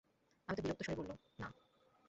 অমিতা বিরক্ত স্বরে বলল, না।